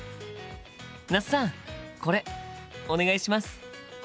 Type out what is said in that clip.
那須さんこれお願いします。